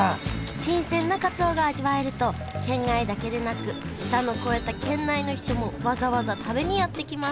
新鮮なかつおが味わえると県外だけでなく舌の肥えた県内の人もわざわざ食べにやって来ます